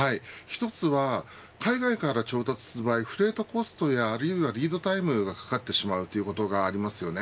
一つは海外から調達する場合フレートコストやリードタイムがかかってしまうということがあります。